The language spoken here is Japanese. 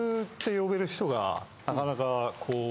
なかなかこう。